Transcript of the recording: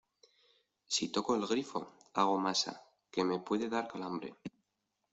si toco el grifo, hago masa , que me puede dar calambre